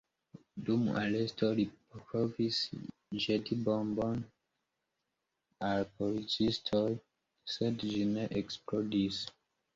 Dum aresto li provis ĵeti bombon al policistoj, sed ĝi ne eksplodis.